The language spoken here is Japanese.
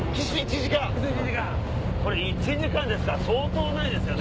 １時間ですから相当ないですね。